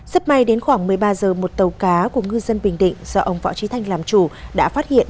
sắp may đến khoảng một mươi ba h một tàu cá của ngư dân bình định do ông võ trí thanh làm chủ đã phát hiện